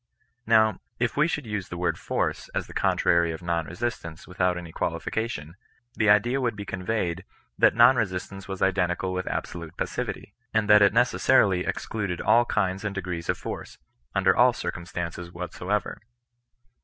Kow, if we should use the MTord force as the contrary of nonr^esistance without any qualification, the idea would be conveyed that non resiMance was identical with ahsolvie pasnvity) and that it necessarily excluded all kinds and degrees of force, under all circumstances whatsoever.